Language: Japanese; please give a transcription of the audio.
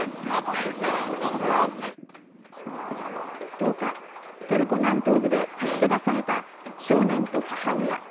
１０日、トルコ南東部で助け出された少年と母親。